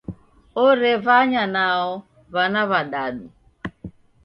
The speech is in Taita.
Orevanya nao w'ana w'adadu.